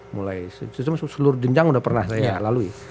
mulai itu seluruh jenjang udah pernah saya lalui